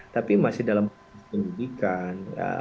tapi masih dalam pendidikan